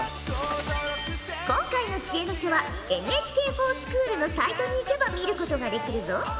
今回の知恵の書はＮＨＫｆｏｒＳｃｈｏｏｌのサイトにいけば見ることができるぞ。